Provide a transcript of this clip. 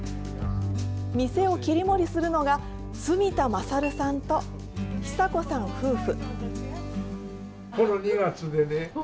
店を切り盛りするのが、角田勝さんと久子さん夫婦。